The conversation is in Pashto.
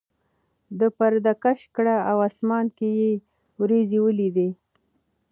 ده پرده کش کړه او اسمان کې یې وریځې ولیدې.